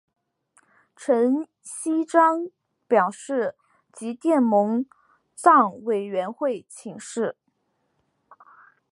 陈锡璋表示即电蒙藏委员会请示。